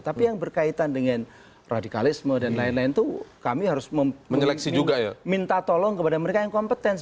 tapi yang berkaitan dengan radikalisme dan lain lain itu kami harus minta tolong kepada mereka yang kompeten